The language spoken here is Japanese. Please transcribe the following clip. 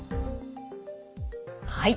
はい。